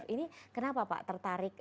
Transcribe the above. ini kenapa pak tertarik